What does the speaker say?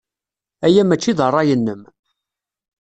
Aya maci d ṛṛay-nnem.